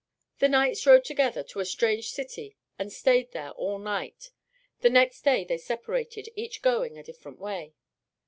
The knights rode together to a strange city and stayed there all night. The next day they separated, each going a different way.